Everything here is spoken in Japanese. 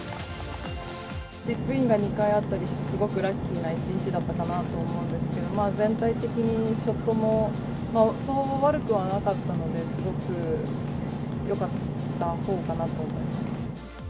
チップインが２回あったり、すごくラッキーな一日だったかなと思うんですけれども、全体的にショットも、そう悪くはなかったので、すごくよかったほうかなと思います。